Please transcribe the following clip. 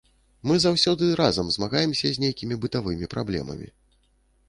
Мы заўсёды разам змагаемся з нейкімі бытавымі праблемамі.